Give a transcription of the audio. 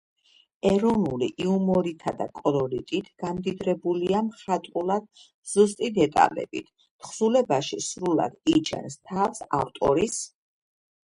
ეროვნული იუმორითა და კოლორიტით, გამდიდრებულია მხატვრულად ზუსტი დეტალებით. თხზულებაში სრულად იჩენს თავს ავტორის